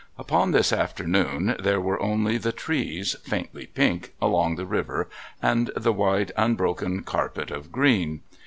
Upon this afternoon there were only the trees, faintly pink, along the river and the wide unbroken carpet of green.